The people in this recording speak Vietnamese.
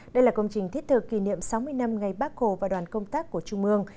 đây là công trình thiết thực kỷ niệm sáu mươi năm ngày bác hồ và đoàn công tác của trung ương